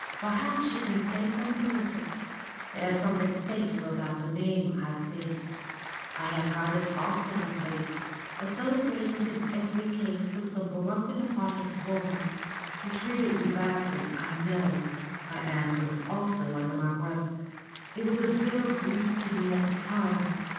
Perhaps you can favour me with it. There is something fatal about the name, I think. I have heard it often of late, associated in every case with some broken hearted woman." "He treated you badly, I know," I answered, also under my breath. "It was a bitter grief to me at the time.